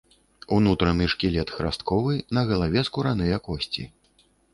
Унутраны шкілет храстковы, на галаве скураныя косці.